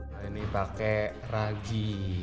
nah ini pakai ragi